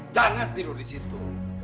jangan tidur disitu